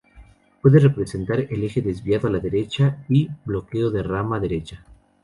Puede presentar el eje desviado a la derecha y bloqueo de rama derecha.